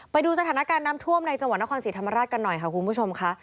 ไปดูสถานการณ์น้ำท่วมในจังหวัดนครศรีธรรมราชกันหน่อยค่ะคุณผู้ชมค่ะ